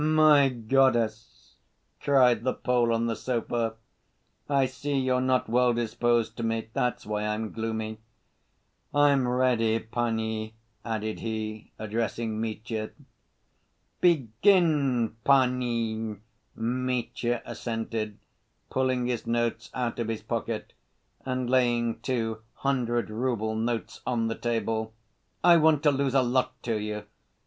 "My goddess!" cried the Pole on the sofa, "I see you're not well‐disposed to me, that's why I'm gloomy. I'm ready, panie," added he, addressing Mitya. "Begin, panie," Mitya assented, pulling his notes out of his pocket, and laying two hundred‐rouble notes on the table. "I want to lose a lot to you.